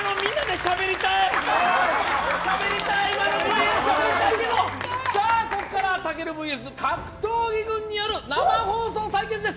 しゃべりたいけどここからは武尊ＶＳ格闘技軍による生放送対決です。